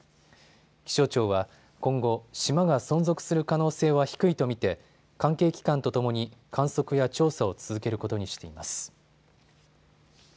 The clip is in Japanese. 気象庁は今後、島が存続する可能性は低いと見て関係機関とともに観測や調査を続けることにしています。